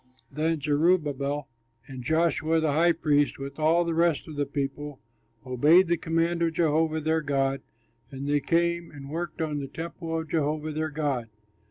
Then Zerubbabel and Joshua, the high priest, with all the rest of the people obeyed the command of Jehovah their God; and they came and worked on the temple of Jehovah their God.